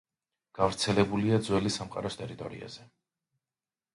გავრცელებულია ძველი სამყაროს ტერიტორიაზე.